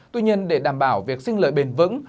tuy nhiên để đảm bảo việc sinh lợi bền vững